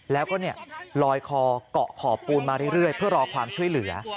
แล้วก็ลอยคอเกาะขอบปูนมาเรื่อยเพื่อรอความช่วยเหลือ